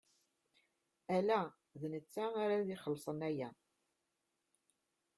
Ala, d nettat ara ixellṣen aya.